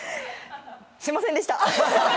すいませんでした！